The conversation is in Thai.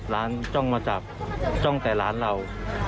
จ้องมาจับจ้องแต่ร้านเรา